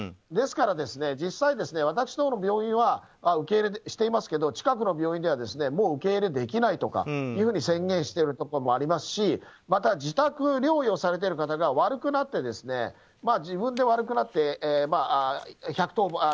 ですから実際、私のほうの病院は受け入れをしていますが近くの病院ではもう受け入れできないと宣言しているところもありますしまた自宅療養されている方が悪くなって、自分で１１９しますよね。